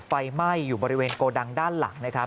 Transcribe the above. ไฟไหม้อยู่บริเวณโกดังด้านหลังนะครับ